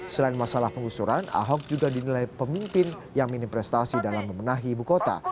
selain masalah pengusuran ahok juga dinilai pemimpin yang minim prestasi dalam memenahi ibu kota